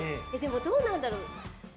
どうなんだろう。